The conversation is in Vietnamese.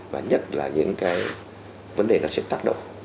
và nhất là những cái vấn đề nó sẽ tác động